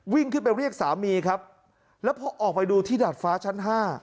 วิ่งขึ้นไปเรียกสามีครับแล้วพอออกไปดูที่ดาดฟ้าชั้น๕